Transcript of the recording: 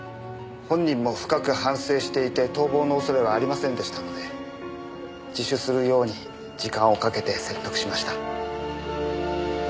本人も深く反省していて逃亡の恐れはありませんでしたので自首するように時間をかけて説得しました。